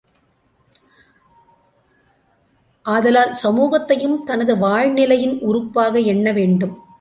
ஆதலால் சமூகத்தையும் தனது வாழ்நிலையின் உறுப்பாக எண்ணவேண்டும்.